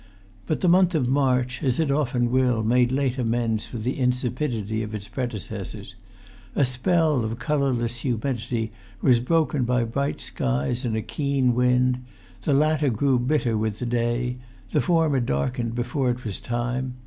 But the month of March, as it often will, made late amends for the insipidity of its predecessors. A spell of colourless humidity was broken by bright skies and a keen wind; the latter grew bitter with the day; the former darkened before it was time.